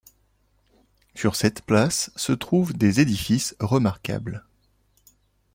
Sur cette place se trouvent des édifices remarquables.